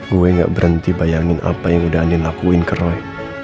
gue gak berhenti bayangin apa yang udah andin lakuin ke roy